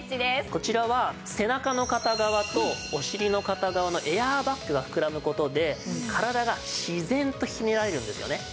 こちらは背中の片側とお尻の片側のエアーバッグが膨らむ事で体が自然とひねられるんですよね。